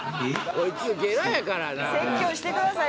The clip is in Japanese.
こいつゲラやからな説教してください